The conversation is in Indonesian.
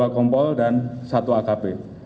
dua kompol dan satu akp